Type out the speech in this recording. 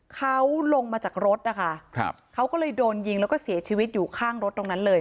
เขาลงมาจากรถนะคะครับเขาก็เลยโดนยิงแล้วก็เสียชีวิตอยู่ข้างรถตรงนั้นเลย